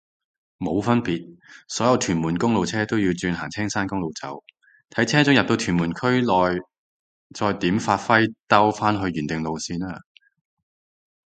冇分別，所有屯門公路車都要轉行青山公路走，睇車長入到屯門區內再點發揮兜返去原定路線